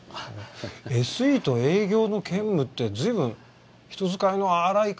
ＳＥと営業の兼務って随分人使いの荒い会社なんですね。